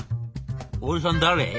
「おじさん誰？